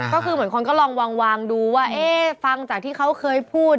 ก็คือเหมือนคนก็ลองวางดูว่าเอ๊ะฟังจากที่เขาเคยพูด